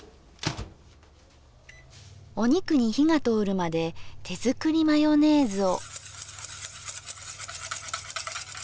お肉に火が通るまで手作りマヨネーズを。